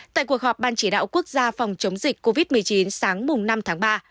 tại cuộc họp ban chỉ đạo quốc gia phòng chống dịch covid một mươi chín sáng năm tháng ba